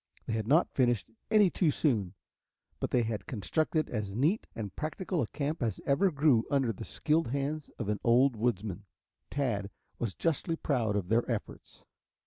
They had not finished any too soon, but they had constructed as neat and practical a camp as ever grew under the skilled hands of an old woodsman. Tad was justly proud of their efforts.